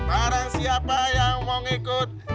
barang siapa yang mau ngikut